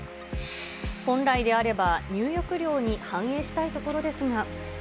本来であれば入浴料に反映したいところですが。